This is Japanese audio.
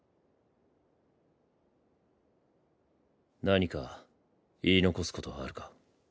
何か言い残すことはあるか？